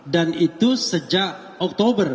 dan itu sejak oktober